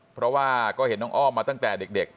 เพราะว่าก็เห็นน้องอ้อมมาตั้งแต่เด็ก